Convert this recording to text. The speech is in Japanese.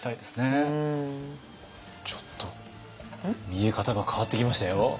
ちょっと見え方が変わってきましたよ。